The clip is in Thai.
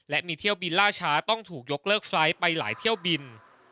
และมีเที่ยวบินล่าช้าต้องถูกยกเลิกไฟล์ไปหลายเที่ยวบิน